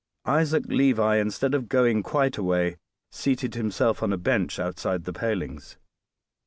Isaac Levi, instead of going quite away, seated himself on a bench outside the palings.